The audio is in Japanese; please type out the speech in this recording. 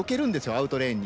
アウトレーンに。